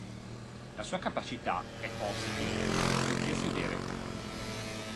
La sua capacità è posti, tutti a sedere.